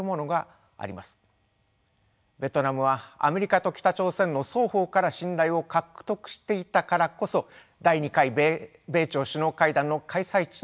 ベトナムはアメリカと北朝鮮の双方から信頼を獲得していたからこそ第２回米朝首脳会談の開催地にも選ばれました。